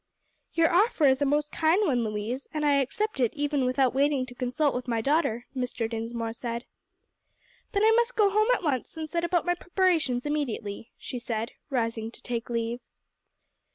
"Your offer is a most kind one, Louise, and I accept it even without waiting to consult with my daughter," Mr. Dinsmore said. "Then I must go home at once, and set about my preparations immediately," she said, rising to take leave.